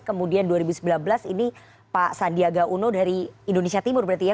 kemudian dua ribu sembilan belas ini pak sandiaga uno dari indonesia timur berarti ya